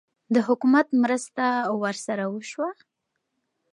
د حکومت مرسته ورسره وشوه؟